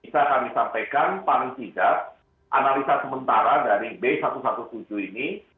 saya akan disampaikan paling tiga analisa sementara dari b satu ratus tujuh belas ini